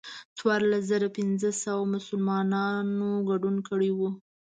څوارلس زره پنځه سوه مسلمانانو ګډون کړی و.